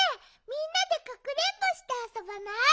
みんなでかくれんぼしてあそばない？